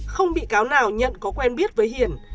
không bị cáo nào nhận có quen biết với hiền